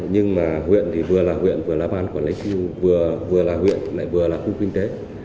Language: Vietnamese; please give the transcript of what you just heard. nhưng mà huyện thì vừa là huyện vừa là ban quản lý khu vừa là huyện lại vừa là khu kinh tế